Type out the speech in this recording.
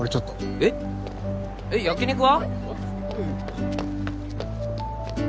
えっ焼き肉は？